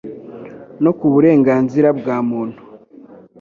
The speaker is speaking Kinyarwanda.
no ku burengarizira bwa muntu.